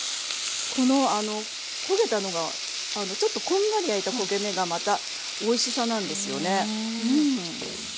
この焦げたのがちょっとこんがり焼いた焦げ目がまたおいしさなんですよね。